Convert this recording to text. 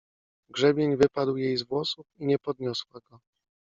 Grzebień wypadł jej z włosów, i nie podniosła go.